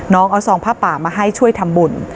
น้องเอาซองผ้าป่ามาให้ช่วยทำบุญ